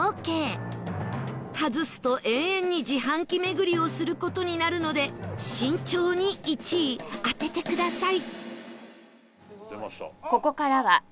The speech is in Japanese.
外すと永遠に自販機巡りをする事になるので慎重に１位当ててください